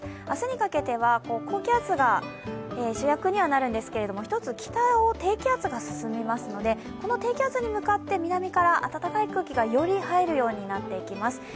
明日にかけては高気圧が主役にはなるんですけど一つ北を低気圧が進みますのでこの低気圧に向かって南から暖かい空気が入ってきます。